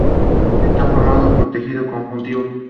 Está formado por tejido conjuntivo.